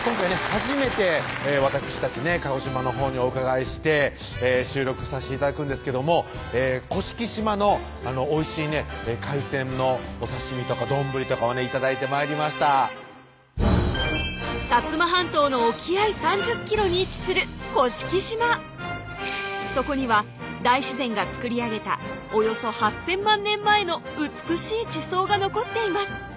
初めてわたくしたちね鹿児島のほうにお伺いして収録さして頂くんですけども甑島のおいしいね海鮮のお刺身とか丼とかをね頂いて参りました薩摩半島の沖合３０キロに位置する甑島そこには大自然が作り上げたおよそ８０００万年前の美しい地層が残っています